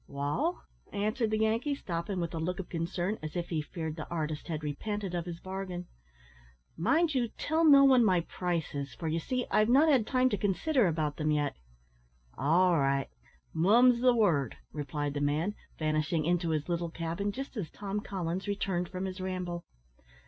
"Wall?" answered the Yankee, stopping with a look of concern, as if he feared the artist had repented of his bargain. "Mind you tell no one my prices, for, you see, I've not had time to consider about them yet." "All right; mum's the word," replied the man, vanishing into his little cabin just as Tom Collins returned from his ramble.